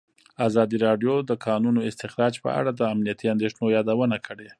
ازادي راډیو د د کانونو استخراج په اړه د امنیتي اندېښنو یادونه کړې.